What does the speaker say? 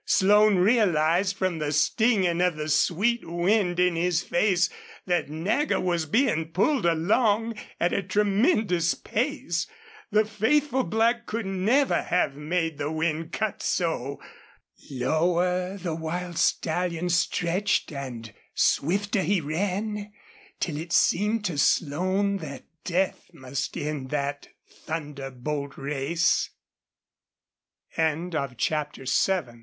Slone realized, from the stinging of the sweet wind in his face, that Nagger was being pulled along at a tremendous pace. The faithful black could never have made the wind cut so. Lower the wild stallion stretched and swifter he ran, till it seemed to Slone that death must end that thunderbolt race. CHAPTER VIII Lucy Bostil had called twice to her father